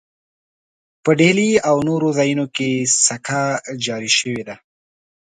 په ډهلي او نورو ځایونو کې سکه جاري شوې ده.